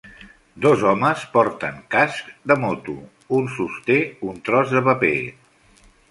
Dos homes porten cascs de moto, un sosté un tros de paper.